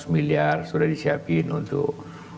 lima ratus miliar sudah disiapin untuk